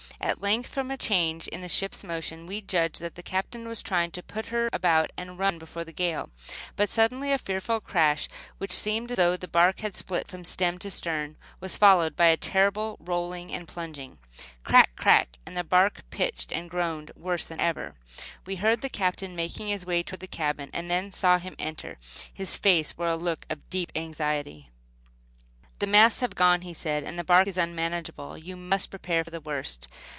At length, from a change in the ship's motion, we judged that the Captain was trying to put her about and run before the gale; but suddenly a fearful crash which seemed as though the bark had split from stem to stern was followed by a terrible rolling and plunging. Crack! Crack! and the bark pitched and groaned worse than ever. We heard the Captain making his way toward the cabin, and then saw him enter. His face wore a look of deep anxiety. "The masts have gone," he said, "and the bark is unmanageable. You must prepare for the worst.